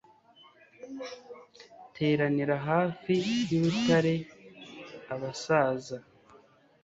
teranira hafi y'urutare, abasaza